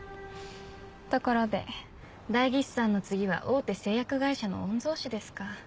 ところで代議士さんの次は大手製薬会社の御曹司ですか。